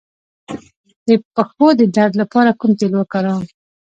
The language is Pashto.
د پښو د درد لپاره کوم تېل وکاروم؟